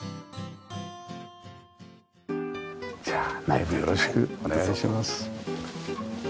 じゃあ内部よろしくお願いします。